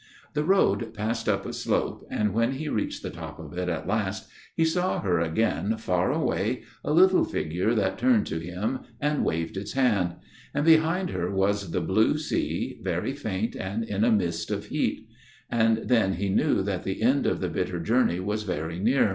" The road passed up a slope, and when he reached the top of it at last, he saw her again, far away, a little figure that turned to him and waved its hand ; and behind her was the blue sea, very faint and in a mist of heat ; and then he knew tli it the end of the bitter journey was very near.